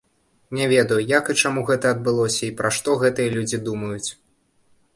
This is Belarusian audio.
Не ведаю, як і чаму гэта адбылося і пра што гэтыя людзі думаюць.